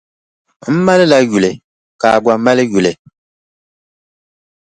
M malila yuli ka a gba mali yuli.